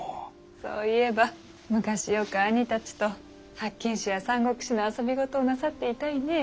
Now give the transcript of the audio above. そういえば昔よく兄たちと八犬士や「三国志」の遊び事をなさっていたいねぇ。